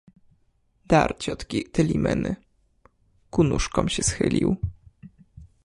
Dar ciotki Telimeny, ku nóżkom się schylił